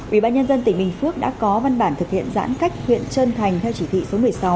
ubnd tỉnh bình phước đã có văn bản thực hiện giãn cách huyện trân thành theo chỉ thị số một mươi sáu